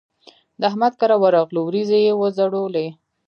د احمد کره ورغلوو؛ وريځې يې وځړولې.